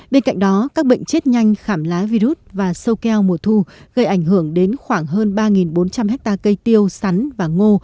bên cạnh đó các bệnh chết nhanh khảm lá virus và sâu keo mùa thu gây ảnh hưởng đến khoảng hơn ba bốn trăm linh hectare cây tiêu sắn và ngô